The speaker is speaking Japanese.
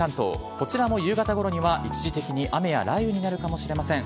こちらも夕方ごろには一時的に雨や雷雨になるかもしれません。